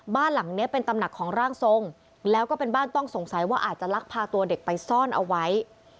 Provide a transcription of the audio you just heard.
บ้านหลังนี้เป็นตำหนักของร่างทรงแล้วก็เป็นบ้านต้องสงสัยว่าอาจจะลักพาตัวเด็กไปซ่อนเอาไว้